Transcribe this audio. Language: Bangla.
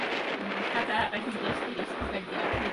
হরিমোহিনী রুক্ষ স্বরে কহিলেন, এ-সব তো ভালো কথা নয়।